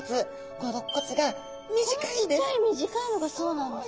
このちっちゃい短いのがそうなんですね。